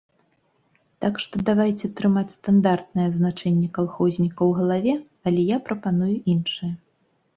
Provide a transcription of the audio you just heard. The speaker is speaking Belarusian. Так што давайце трымаць стандартнае азначэнне калхозніка ў галаве, але я прапаную іншае.